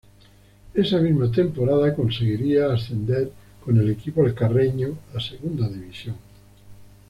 Esa misma temporada, conseguiría ascender con el equipo alcarreño a Segunda División.